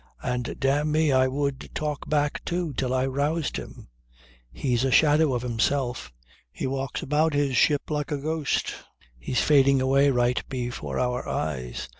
And dam' me I would talk back too till I roused him. He's a shadow of himself. He walks about his ship like a ghost. He's fading away right before our eyes.